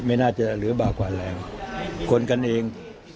ไม่น่าจะเหลือบากกว่าแรงคนกันเอง